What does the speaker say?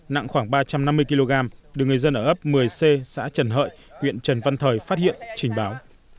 nặng khoảng ba trăm năm mươi kg được người dân ở ấp một mươi c xã trần hợi huyện trần văn thời phát hiện trình báo